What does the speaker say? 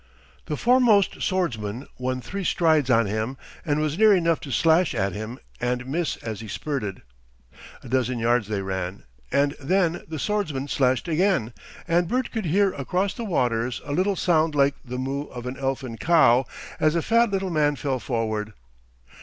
The foremost swordsman won three strides on him and was near enough to slash at him and miss as he spurted. A dozen yards they ran, and then the swordsman slashed again, and Bert could hear across the waters a little sound like the moo of an elfin cow as the fat little man fell forward.